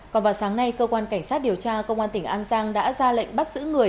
còn vào sáng nay cơ quan cảnh sát điều tra công an tỉnh an giang đã ra lệnh bắt giữ người